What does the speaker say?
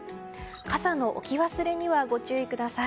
傘の置き忘れにはご注意ください。